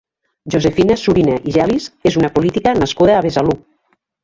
Josefina Surina i Gelis és una política nascuda a Besalú.